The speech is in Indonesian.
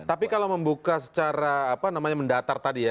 tapi kalau membuka secara apa namanya mendatar tadi ya